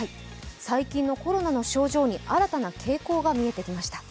最近のコロナの症状に新たな傾向が見えてきました。